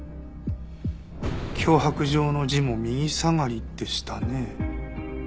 脅迫状の字も右下がりでしたね。